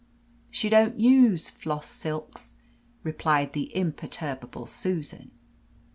"She don't use floss silks," replied the imperturbable Susan.